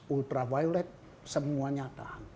ultraviolet semuanya tahan